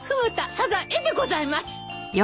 サザエでございます。